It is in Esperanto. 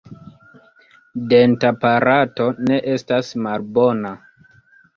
Dentaparato ne estas malbona.